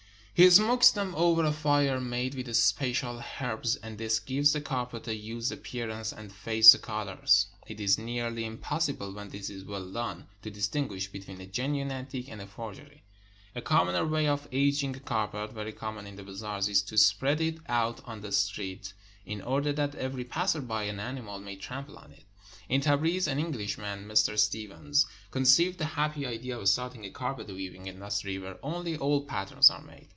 He smokes them over a fire made with special herbs, and this gives the carpet a used appearance and fades the colors. It is nearly im possible, when this is well done, to distinguish between a genuine antique and a forgery. A commoner way of aging a carpet (very common in the bazaars) is to spread it out on the street, in order that every passer by and animal may trample on it. In Tabriz, an Englishman, Mr. Stevens, conceived the happy idea of starting a carpet weaving industry, where only old patterns are made.